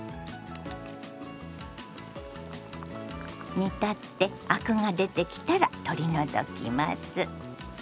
煮立ってアクが出てきたら取り除きます。